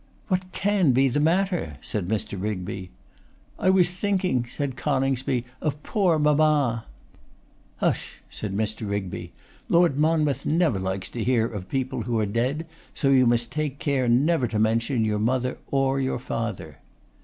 'What can be the matter?' said Mr. Rigby. 'I was thinking,' said Coningsby, 'of poor mamma!' 'Hush!' said Mr. Rigby; 'Lord Monmouth never likes to hear of people who are dead; so you must take care never to mention your mother or your father.